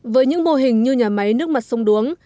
với những mô hình như nhà máy nước mặt sông đuống